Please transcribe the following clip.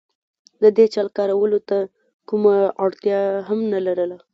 د دې چل کارولو ته کومه اړتیا هم نه لرله.